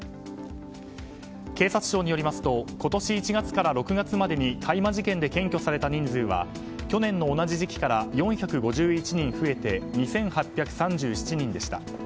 警察庁によりますと今年１月から６月までに大麻事件で検挙された人数は去年の同じ時期から４５１人増えて２８３７人でした。